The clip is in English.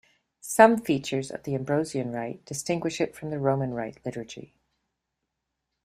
Some features of the Ambrosian Rite distinguish it from the Roman Rite liturgy.